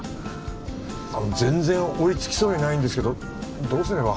あの全然追いつきそうにないんですけどどうすれば？